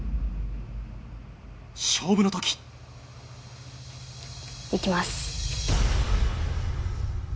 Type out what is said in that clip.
勝負の時。いきます。